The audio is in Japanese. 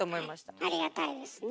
ありがたいですね。